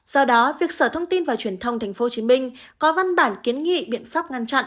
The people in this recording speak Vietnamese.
do đó việc sở thông tin và truyền thông tp hcm có văn bản kiến nghị biện pháp ngăn chặn